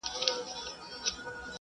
مثبت فکر ځواک نه خرابوي.